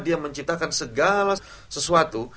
dia menciptakan segala sesuatu